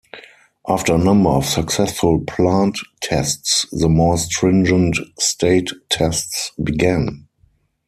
After a number of successful plant tests the more stringent state tests began.